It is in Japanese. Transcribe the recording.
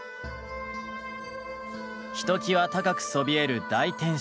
ひときわ高くそびえる大天守。